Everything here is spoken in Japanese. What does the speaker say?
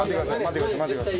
待ってください。